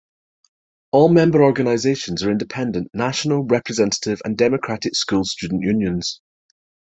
All member organisations are independent, national, representative and democratic school student unions.